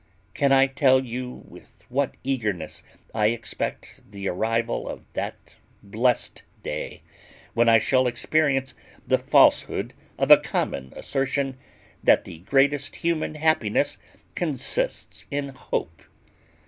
"Can I tell you with what eagerness I expect the arrival of that blest day, when I shall experience the falsehood of a common assertion, that the greatest human happiness consists in hope?